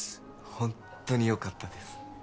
ホントによかったです